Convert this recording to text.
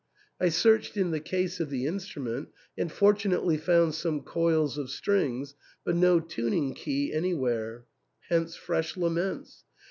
I searched in the case of the instru ment, and fortunately found some coils of strings, but no tuning key anywhere. Hence fresh laments.